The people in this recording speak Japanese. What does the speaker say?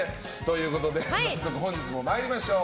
早速本日も参りましょう。